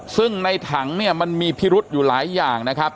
ซึ่งในถังเนี่ยมันมีพิรุษอยู่หลายอย่างนะครับ